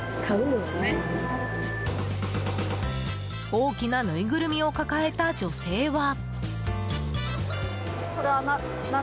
大きなぬいぐるみを抱えた女性は。